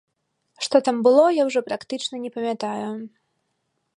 Што там было, я ўжо практычна не памятаю.